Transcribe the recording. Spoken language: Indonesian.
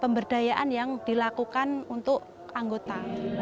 pemberdayaan yang dilakukan untuk anggota